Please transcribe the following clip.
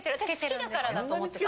私、好きだからだと思ってた。